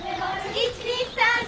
１２３４！